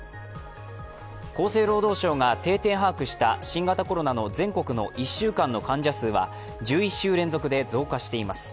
厚生労働省が定点把握した新型コロナの全国の１週間の患者数は１１週連続で増加しています。